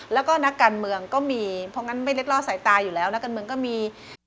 แล้วก็นักการเมืองก็มีเพราะงั้นไม่เล็ดล่อสายตาอยู่แล้วนักการเมืองก็มี